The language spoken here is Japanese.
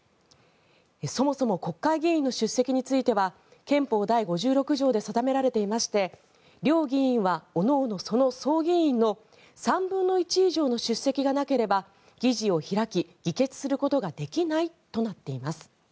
そもそも国会議員の出席については憲法第５６条で定められていまして両議院はおのおのその総議員の３分の１以上の出席がなければ議事を開き、議決することができないとなっています。